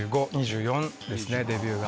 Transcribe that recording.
２５２４ですねデビューが。